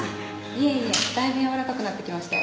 いえいえだいぶ柔らかくなってきましたよ。